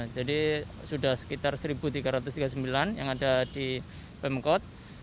jadi sudah sekitar satu tiga ratus tiga puluh sembilan yang ada di pemkot